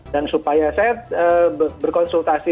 dan supaya saya berkonsultasi